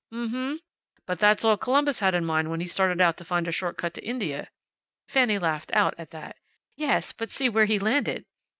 "M m m, but that's all Columbus had in mind when he started out to find a short cut to India." Fanny laughed out at that. "Yes, but see where he landed!"